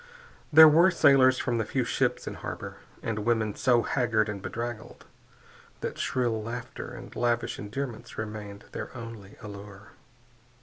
There were sailors from the few ships in harbor, and women so haggard and bedraggled that shrill laughter and lavish endearments remained their only allure.